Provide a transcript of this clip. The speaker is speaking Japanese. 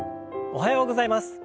おはようございます。